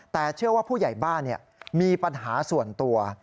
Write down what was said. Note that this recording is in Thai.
แต่เชื่อว่าผู้ใหญ่บ้านมีปัญหาส่วนตัว